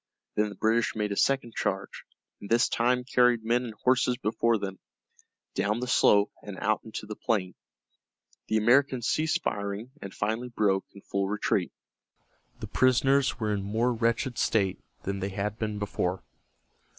Then the British made a second charge, and this time carried men and horses before them, down the slope and out into the plain. The Americans ceased firing, and finally broke in full retreat. The prisoners were in more wretched state than they had been before.